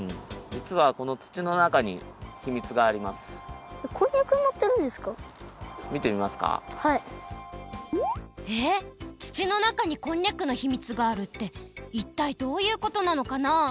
つちのなかにこんにゃくのひみつがあるっていったいどういうことなのかな？